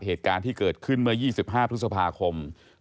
เหตุการณ์ที่เกิดขึ้นเมื่อ๒๕พฤษภาคม